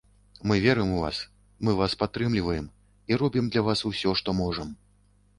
Мы верым у вас, мы вас падтрымліваем і робім для вас усё, што можам.